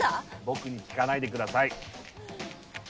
僕に聞かないでください